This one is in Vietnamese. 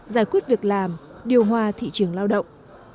giải quyết việc làm điều hòa thị trường lao động